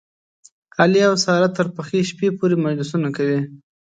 علي او ساره تر پخې شپې پورې مجلسونه کوي.